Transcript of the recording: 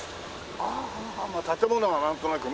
ああまあ建物がなんとなくね。